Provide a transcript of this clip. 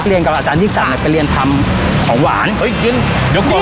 เรียนกับอาจารย์ยิ่งศักดิ์แล้วไปเรียนทำของหวานเฮ้ยกินเดี๋ยวก่อนเลย